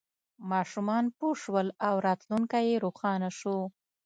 ماشومان پوه شول او راتلونکی یې روښانه شو.